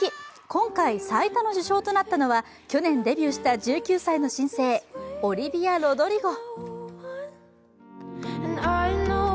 今回最多の受賞となったのは去年デビューした１９歳の新星オリヴィア・ロドリゴ。